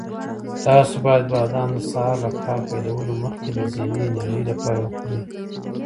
تاسو باید بادام د سهار له کار پیلولو مخکې د ذهني انرژۍ لپاره وخورئ.